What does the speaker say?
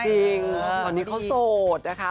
จริงตอนนี้เขาโสดนะคะ